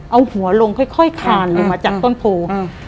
เอาหัวลงค่อยคาลอุดมาจากต้นพู